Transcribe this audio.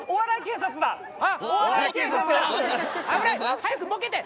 早くボケて！